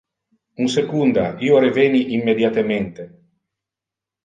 Un secunda, io reveni immediatemente.